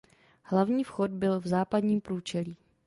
Hlavní vchod byl v západním průčelí.